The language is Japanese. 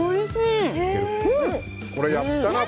これ、やったな！